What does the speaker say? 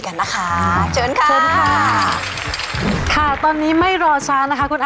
ค่ะเอาล่ะคือจริงแล้วเนี่ย